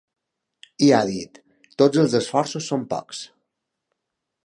I ha dit: Tots els esforços són pocs.